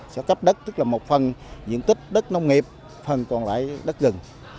sẽ cấp đất tức là một phần diện tích đất nông nghiệp phần còn lại đất rừng